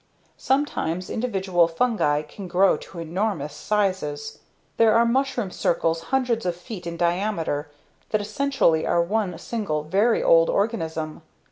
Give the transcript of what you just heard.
Sometimes, individual fungi can grow to enormous sizes; there are mushroom circles hundreds of feet in diameter that essentially are one single very old organism.